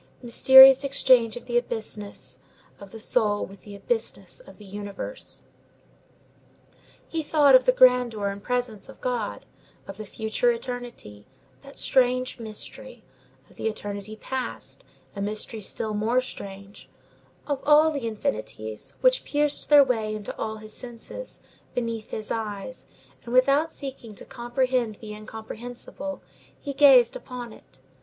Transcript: Mysterious exchange of the abysses of the soul with the abysses of the universe! He thought of the grandeur and presence of God; of the future eternity, that strange mystery; of the eternity past, a mystery still more strange; of all the infinities, which pierced their way into all his senses, beneath his eyes; and, without seeking to comprehend the incomprehensible, he gazed upon it.